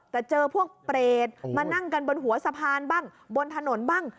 แต่เจอพวกเปรตมานั่งกันบนหัวสะพานบ้างบนถนนบ้าง